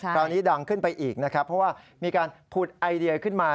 ดังขึ้นไปอีกนะครับเพราะว่ามีการผุดไอเดียขึ้นมา